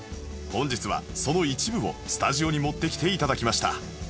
本日はその一部をスタジオに持ってきて頂きました